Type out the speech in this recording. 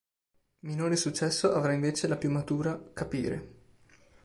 Minore successo avrà invece la più matura "Capire".